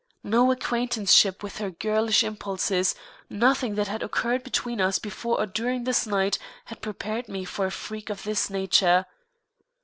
No acquaintanceship with her girlish impulses, nothing that had occurred between us before or during this night, had prepared me for a freak of this nature.